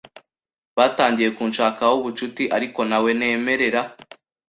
batangiye kunshakaho ubucuti ariko ntawe nemerera,